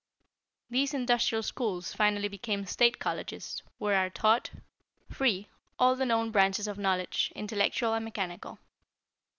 These industrial schools finally became State Colleges, where are taught, free, all the known branches of knowledge, intellectual and mechanical.